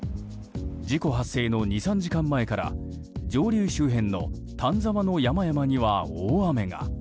事故発生の２３時間前から上流周辺の丹沢の山々には大雨が。